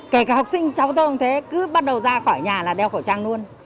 kể cả học sinh cháu tôi cũng thế cứ bắt đầu ra khỏi nhà là đeo khẩu trang luôn